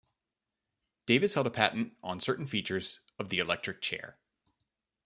Davis held a patent on certain features of the electric chair.